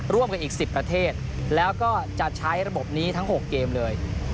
ร่วมกันอีก๑๐ประเทศแล้วก็จะใช้ระบบนี้ทั้ง๖เกมเลย